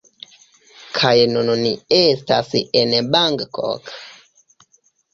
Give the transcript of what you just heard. Kaj nun ni estas en Bangkok!